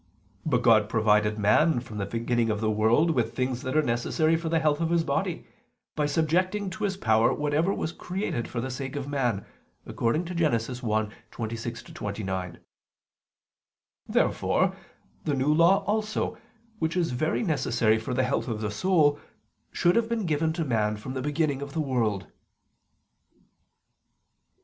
But God provided man from the beginning of the world with things that are necessary for the health of his body, by subjecting to his power whatever was created for the sake of man (Gen. 1:26 29). Therefore the New Law also, which is very necessary for the health of the soul, should have been given to man from the beginning of the world.